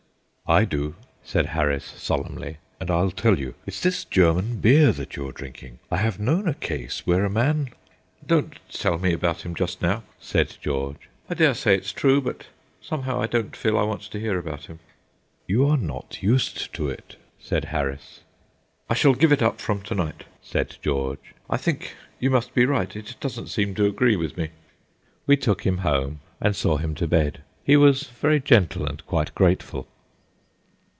"I do," said Harris, solemnly, "and I'll tell you. It's this German beer that you are drinking. I have known a case where a man " "Don't tell me about him just now," said George. "I dare say it's true, but somehow I don't feel I want to hear about him." "You are not used to it," said Harris. "I shall give it up from to night," said George. "I think you must be right; it doesn't seem to agree with me." We took him home, and saw him to bed. He was very gentle and quite grateful.